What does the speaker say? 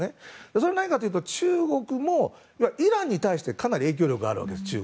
それは何かというと中国もイランに対してかなり影響力があるわけです。